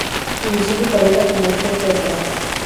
Inició su carrera como actor teatral.